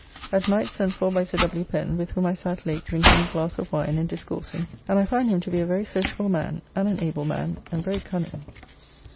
At night sent for by Sir W. Pen, with whom I sat late drinking a glass of wine and discoursing, and I find him to be a very sociable man, and an able man, and very cunning.